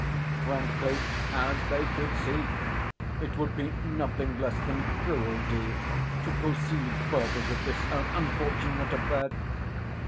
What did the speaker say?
Frankly, as they could see, it would be nothing less than cruelty to proceed further with this er unfortunate affair.